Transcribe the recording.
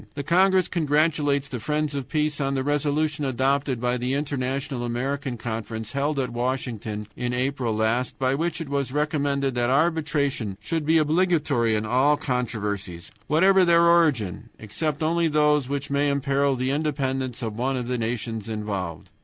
The congress congratulates the friends of peace on the resolution adopted by the International American Conference, held at Washington in April last, by which it was recommended that arbitration should be obligatory in all controversies, whatever their origin, except only those which may imperil the independence of one of the nations involved.